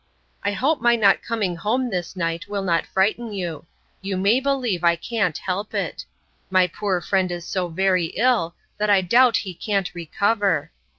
'I hope my not coming home this night will not frighten you. You may believe I can't help it. My poor friend is so very ill, that I doubt he can't recover.